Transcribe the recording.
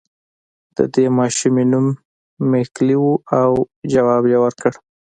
د دې ماشومې نوم ميکلي و او ځواب يې ورکړ.